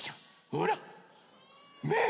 ほらめん。